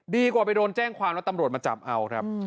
ดีกว่าไปโดนแจ้งความแล้วตำรวจมาจับเอาครับ